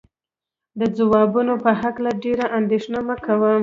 د ځوابونو په هکله ډېره اندېښنه مه کوئ.